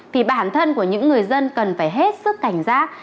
thì bản thân của những người dân cần phải hết sức cảnh giác